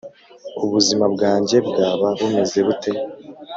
ubuzima bwanjye bwaba bumeze bute,